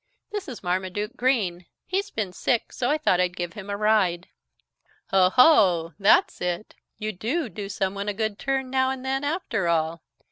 This is Marmaduke Green. He's been sick, so I thought I'd give him a ride." "Oh, ho! That's it. You do do someone a good turn now and then, after all."